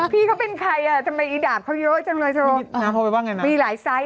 พี่เค้าเป็นใครอ่ะทำไมให้ดาบเค้าเยอะจังเลยมีหลายไซส์นะ